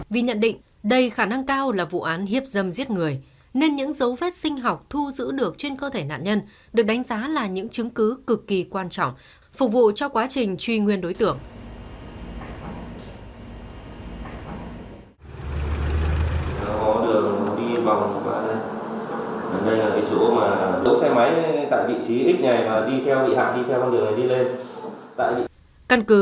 vì nhận định đây khả năng cao là vụ án hiếp dâm giết người nên những dấu vết sinh học thu giữ được trên cơ thể nạn nhân được đánh giá là những chứng cứ cực kỳ quan trọng phục vụ cho quá trình truy nguyên đối tượng